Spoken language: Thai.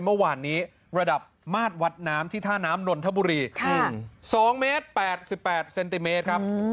เมื่อวานนี้ระดับมาตรวัดน้ำที่ท่าน้ำนนทบุรี๒เมตร๘๘เซนติเมตรครับ